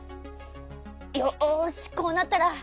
よしこうなったら。